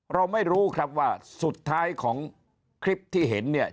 เราไม่รู้ครับว่าสุดท้ายของคลิปที่เห็นเนี่ย